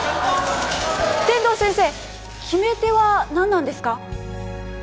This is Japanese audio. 天堂先生決め手は何なんですか？